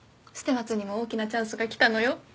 捨松にも大きなチャンスがきたのよ。